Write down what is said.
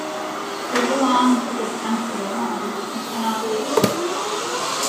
We belong to this country alone, and cannot leave it.